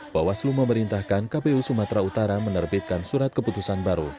bawaslu memerintahkan kpu sumatera utara menerbitkan surat keputusan baru